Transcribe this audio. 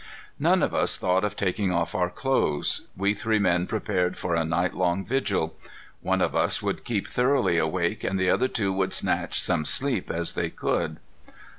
None of us thought of taking off our clothes. We three men prepared for a night long vigil. One of us would keep thoroughly awake, and the other two would snatch such sleep as they could.